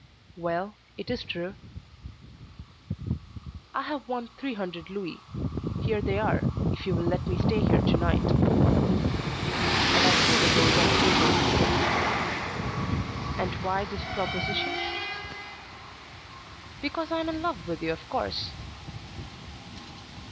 "Well, it is true." "I have won three hundred louis. Here they are, if you will let me stay here to night." And I threw the gold on the table. "And why this proposition?" "Because I am in love with you, of course."